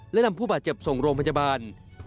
และนำผู้บาดเจ็บส่งโรงพยาบาล